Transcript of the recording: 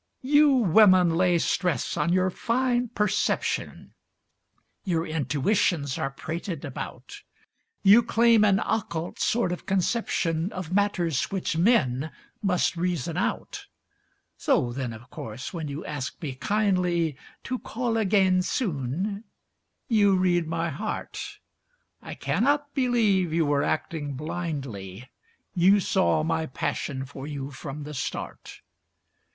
You women lay stress on your fine perception, Your intuitions are prated about; You claim an occult sort of conception Of matters which men must reason out. So then, of course, when you ask me kindly "To call again soon," you read my heart. I cannot believe you were acting blindly; You saw my passion for you from the start.